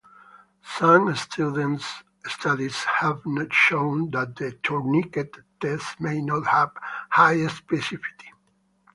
Some studies have shown that the tourniquet test may not have high specificity.